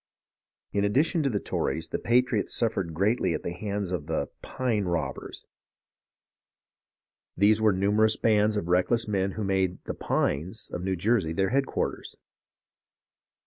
In addition to the Tories, the patriots suffered greatly at the hands of the " Pine Robbers." These were numer 274 HISTORY OF THE AMERICAN REVOLUTION ous bands of reckless men who made "the pines" of New Jersey their headquarters.